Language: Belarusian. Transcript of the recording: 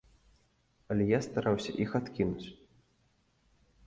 Але я стараўся іх адкінуць.